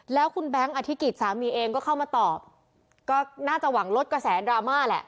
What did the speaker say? แล้วคุณแบงค์อธิกิจสามีเองก็เข้ามาตอบก็น่าจะหวังลดกระแสดราม่าแหละ